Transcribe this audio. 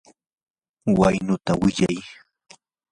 waynuta wiyay.